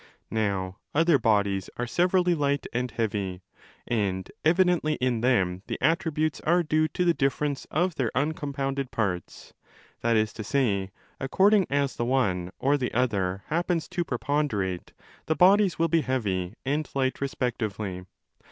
Now other bodies are severally light and 30 heavy, and evidently in them the attributes are due to the difference of their uncompounded parts: that is to say, according as the one or the other happens to preponderate the bodies will be heavy and light respectively.